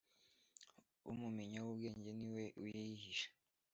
umumenya w'ubwenge ni we uyihisha